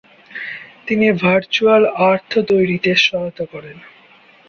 তিনি virtual earth তৈরীতে সহায়তা করেন।